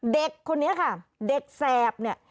เด็กคนนี้ค่ะเด็กแสบเนี่ย